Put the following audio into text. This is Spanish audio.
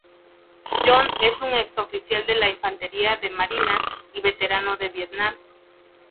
John es un ex oficial de la Infantería de Marina y veterano de Vietnam.